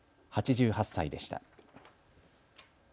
８８歳でした。